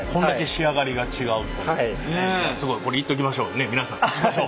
これいっときましょうねっ皆さんいっときましょう。